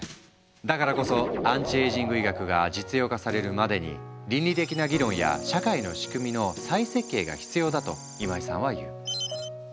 だからこそアンチエイジング医学が実用化されるまでに倫理的な議論や社会の仕組みの再設計が必要だと今井さんは言う。